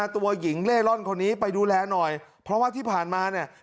ตัวหญิงเล่ร่อนคนนี้ไปดูแลหน่อยเพราะว่าที่ผ่านมาเนี่ย